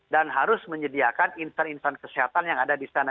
harus menyediakan insan insan kesehatan yang ada di sana